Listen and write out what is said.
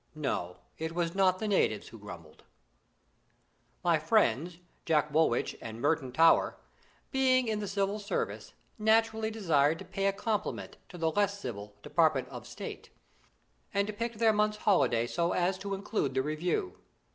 No, it was not the natives who grumbled. My friends, Jack Woolwich and Merton Towers, being in the Civil Service, naturally desired to pay a compliment to the less civil department of State, and picked their month's holiday so as to include the Review.